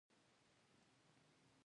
هیله نن ښوونځي ته نه ځي هغه لږه ناروغه ده